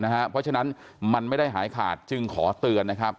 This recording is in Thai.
เพราะฉะนั้นมันไม่ได้หายขาดจึงขอเตือนนะครับ